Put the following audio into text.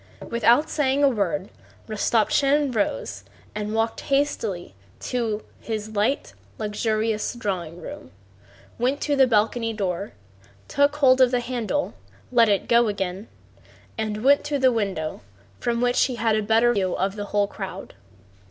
Without saying a word Rostopchín rose and walked hastily to his light, luxurious drawing room, went to the balcony door, took hold of the handle, let it go again, and went to the window from which he had a better view of the whole crowd.